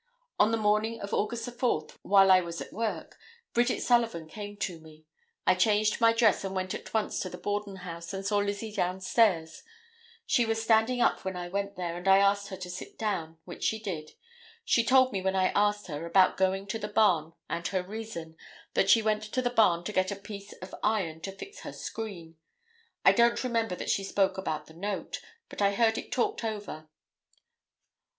On the morning of August 4th, while I was at work, Bridget Sullivan came to me; I changed my dress and went at once to the Borden house and saw Lizzie down stairs; she was standing up when I went there and I asked her to sit down, which she did. She told me when I asked her, about going to the barn and her reason, that she went to the barn to get a piece of iron to fix her screen; I don't remember that she spoke about the note, but I heard it talked over.